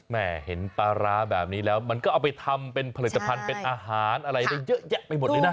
เห็นปลาร้าแบบนี้แล้วมันก็เอาไปทำเป็นผลิตภัณฑ์เป็นอาหารอะไรได้เยอะแยะไปหมดเลยนะ